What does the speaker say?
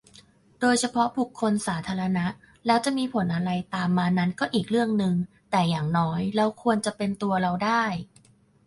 โดยเฉพาะบุคคลสาธารณะ แล้วจะมีผลอะไรตามมานั่นก็อีกเรื่องนึง แต่อย่างน้อยเราควรจะเป็นตัวเราได้